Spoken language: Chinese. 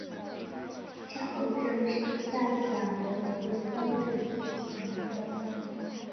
沙口镇是下辖的一个乡镇级行政单位。